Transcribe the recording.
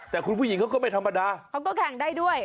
แต่คุณผู้หญิงเขาก็ไม่ธรรมดาเขาก็แข่งได้ด้วย